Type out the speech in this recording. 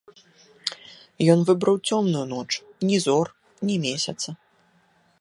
Ён выбраў цёмную ноч, ні зор, ні месяца.